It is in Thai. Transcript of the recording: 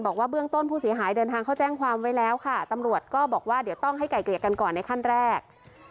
บอกว่าเบื้องต้นผู้เสียหายเดินทางเข้าแจ้งความไว้แล้วค่ะตำรวจก็บอกว่าเดี๋ยวต้องให้ไก่เกลี่ยกันก่อนในขั้นแรก